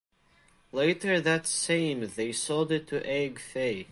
Later that same they sold it to Aage Faye.